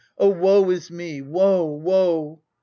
Oh, woe is me! woe, woe!